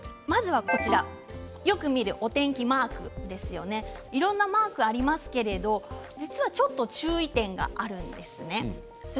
よく見るお天気マークいろんなマークがありますが実はちょっと注意点があるんです。